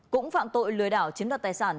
cũng phạm tội lừa đảo chiếm đặt tài sản